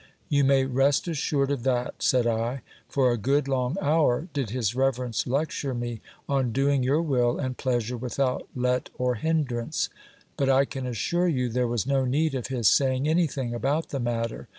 You may rest assured of that, said I ; for a good long hour did his reverence lecture me on doing your will and pleasure without let or hindrance ; but I can assure you, there was no need of his saying any thing about the matter.